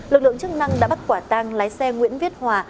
lực lượng chức năng đã bắt quả tang lái xe nguyễn viết hòa